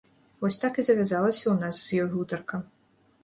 Вось так і завязвалася ў нас з ёй гутарка.